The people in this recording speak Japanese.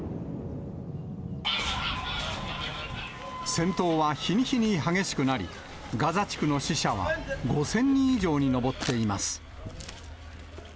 戦闘は日に日に激しくなり、ガザ地区の死者は５０００人以上に上っています。